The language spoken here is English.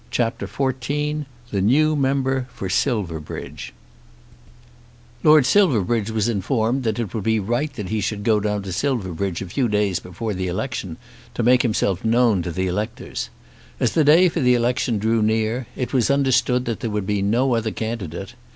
CHAPTER XIV The New Member for Silverbridge Lord Silverbridge was informed that it would be right that he should go down to Silverbridge a few days before the election, to make himself known to the electors. As the day for the election drew near it was understood that there would be no other candidate.